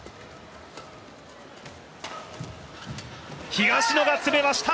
東野が詰めました！